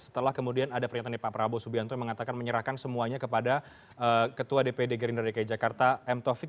setelah kemudian ada pernyataan dari pak prabowo subianto yang mengatakan menyerahkan semuanya kepada ketua dpd gerindra dki jakarta m taufik